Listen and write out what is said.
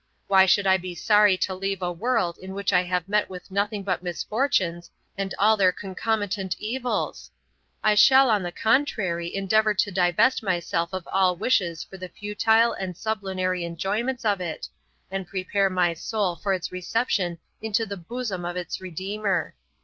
Why should I be sorry to leave a world in which I have met with nothing but misfortunes and all their concomitant evils? I shall on the contrary endeavour to divest myself of all wishes for the futile and sublunary enjoyments of it, and prepare my soul for its reception into the bosom of its Redeemer.